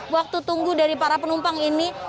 waktu tunggu dari para penumpang ini